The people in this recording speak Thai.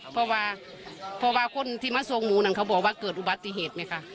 เพราะว่าคนที่มาทรงหมูนั่นเขาบอกว่าเกิดอุบัติเหตุไหมคะ